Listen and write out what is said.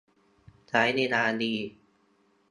ใช้เวลาดี